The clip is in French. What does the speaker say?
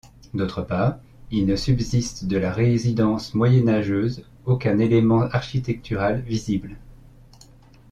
D'autre part, il ne subsiste de la résidence moyenâgeuse aucun élément architectural visible.